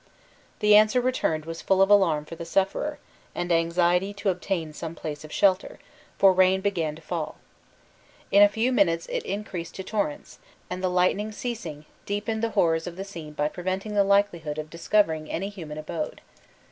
The answer returned was full of alarm for the sufferer, and anxiety to obtain some place of shelter, for rain began to fall. In a few minutes it increased to torrents, and the lightning ceasing, deepened the horrors of the scene by preventing the likelihood of discovering any human abode.